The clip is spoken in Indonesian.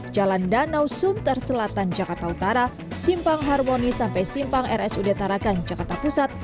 jalan danau suntar selatan jakarta utara simpang harmoni sampai simpang rs udetarakan jakarta pusat